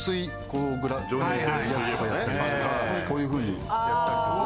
こうこういうふうにやったりとか。